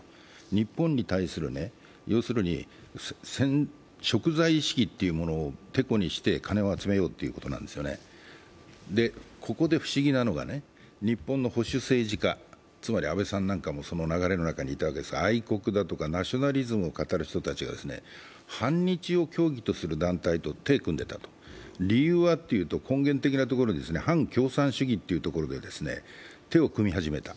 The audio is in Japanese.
日本に対する、要するにしょく罪意識というのをてこにして金を集めようっていうことなんですよね、ここで不思議なのは日本の保守政治家、つまり安倍さんなんかもそうですが愛国だとかナショナリズムを語る人たちが反日を教義とする団体と手を組んでたと理由はっていうと根源的なところで、反共産主義で手を組み始めた。